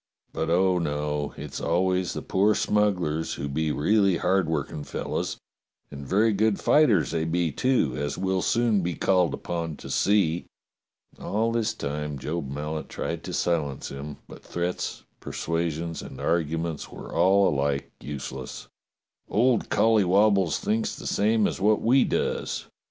But, oh, no! It's al ways the poor smugglers who be really hard working 208 DOCTOR SYN fellows; and very good fighters they be, too, as we'll soon be called upon to see." All this time Job Mallet tried to silence him, but threats, persuasions, and arguments were all alike use less. "Old Collywobbles thinks the same as wot we does."